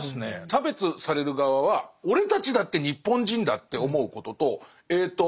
差別される側は俺たちだって日本人だって思うこととえっと